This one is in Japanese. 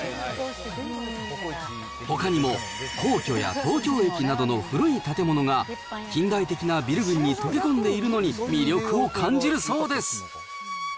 ほかにも皇居や東京駅などの古い建物が、近代的なビル群に溶け込んでいるのに魅力を感じるそうです。